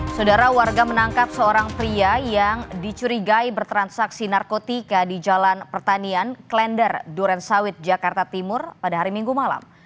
saudara warga menangkap seorang pria yang dicurigai bertransaksi narkotika di jalan pertanian klender duren sawit jakarta timur pada hari minggu malam